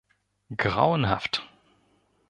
Grauenhaft!